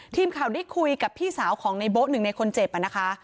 ทีมข่าวได้คุยกับพี่สาวของในโบ๊ะหนึ่งในคนเจ็บนะคะ